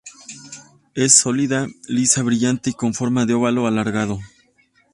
Es sólida, lisa, brillante y con forma de óvalo alargado.